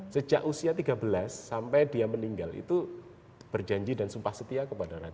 sejak usia tiga belas sampai dia meninggal itu berjanji dan sumpah setia kepada raja